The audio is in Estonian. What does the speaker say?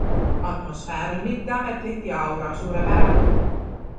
Atmosfäär on mitteametlik ja aura suurepärane.